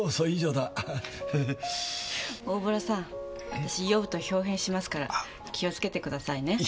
大洞さん私酔うと豹変しますから気をつけてくださいね。